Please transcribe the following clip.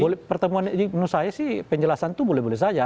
boleh pertemuan ini menurut saya sih penjelasan itu boleh boleh saja